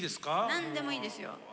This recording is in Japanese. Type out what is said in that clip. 何でもいいですよ。